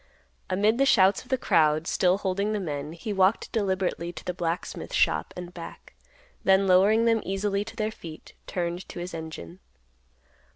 Amid the shouts of the crowd, still holding the men, he walked deliberately to the blacksmith shop and back; then lowering them easily to their feet, turned to his engine.